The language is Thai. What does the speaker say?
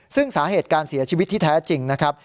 ซึ่งสาเหตุการเสียชีวิตที่แท้จริงนะครับ